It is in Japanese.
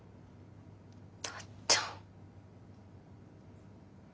たっちゃん。